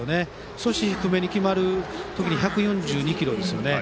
少し低めに決まる時に１４２キロで。